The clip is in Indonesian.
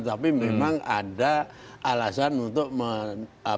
tapi memang ada alasan untuk menentukan